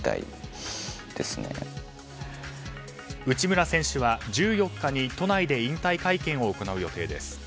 内村選手は１４日に都内で引退会見を行う予定です。